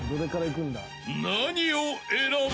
［何を選ぶ？］